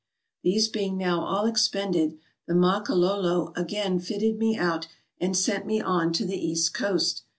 These being now all expended, the Makololo again fitted me out, and sent me on to the east coast.